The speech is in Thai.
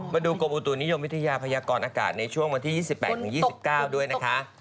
กรมอุตุนิยมวิทยาพยากรอากาศในช่วงวันที่๒๘๒๙ด้วยนะคะ